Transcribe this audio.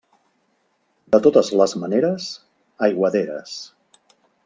De totes les maneres, aiguaderes.